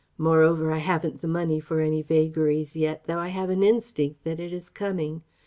Moreover I haven't the money for any vagaries yet, though I have an instinct that it is coming.